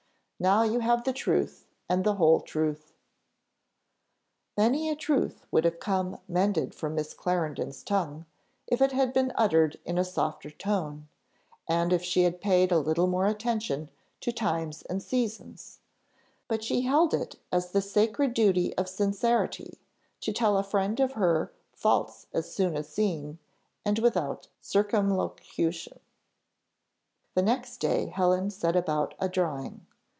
Now you have the truth and the whole truth." Many a truth would have come mended from Miss Clarendon's tongue, if it had been uttered in a softer tone, and if she had paid a little more attention to times and seasons: but she held it the sacred duty of sincerity to tell a friend her faults as soon as seen, and without circumlocution. The next day Helen set about a drawing.